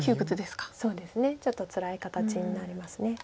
そうですねちょっとつらい形になります。